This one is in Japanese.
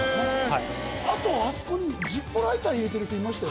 あとあそこにＺｉｐｐｏライター入れてる人いましたよね。